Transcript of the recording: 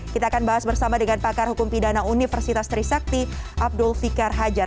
kita akan bahas bersama dengan pakar hukum pidana universitas trisakti abdul fikar hajar